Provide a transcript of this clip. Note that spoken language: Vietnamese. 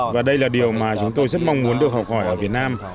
và đây là điều mà chúng tôi rất mong muốn được học hỏi ở việt nam